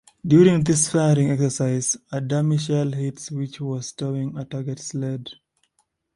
During this firing exercise, a dummy shell hit which was towing a target sled.